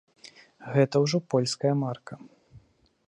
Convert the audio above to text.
Гэта ўжо польская марка.